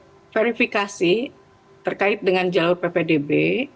kita verifikasi terkait dengan jalur ppdb